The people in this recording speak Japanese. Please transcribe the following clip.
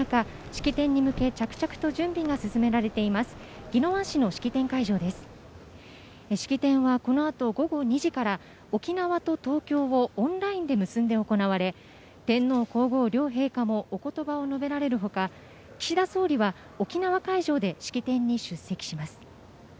式典はこのあと午後２時から沖縄と東京をオンラインで結んで行われ天皇・皇后両陛下もおことばを述べられるほか岸田総理は沖縄会場で式典に出席します。